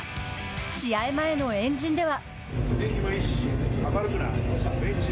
試合前の円陣では。